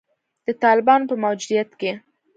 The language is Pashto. د طالبانو په موجودیت کې